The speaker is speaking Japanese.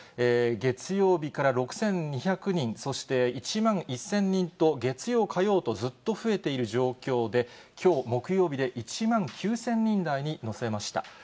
月曜日から６２００人、そして、１万１０００人と、月曜、火曜とずっと増えている状況で、きょう木曜日で、１万９０００人台に乗せました。